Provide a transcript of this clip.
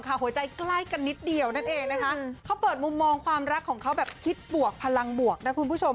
หัวใจใกล้กันนิดเดียวนั่นเองนะคะเขาเปิดมุมมองความรักของเขาแบบคิดบวกพลังบวกนะคุณผู้ชม